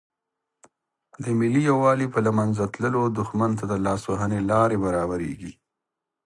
د ملي یووالي په له منځه تللو دښمن ته د لاس وهنې لارې برابریږي.